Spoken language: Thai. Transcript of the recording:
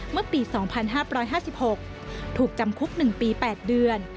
เมื่อปี๒๕๕๖ถูกจำคุก๑ปี๘เดือน